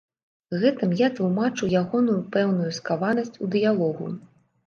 Гэтым я тлумачу ягоную пэўную скаванасць у дыялогу.